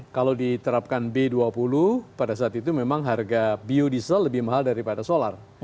kalau diterapkan b dua puluh pada saat itu memang harga biodiesel lebih mahal daripada solar